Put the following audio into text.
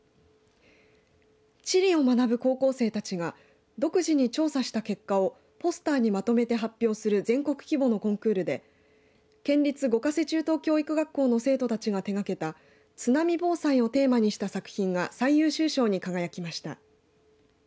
地理を学ぶ高校生たちが独自に調査した結果をポスターにまとめて発表する全国規模のコンクールで県立五ヶ瀬中等教育学校の生徒たちが手がけた津波防災をテーマにした作品が最優秀賞に輝きました。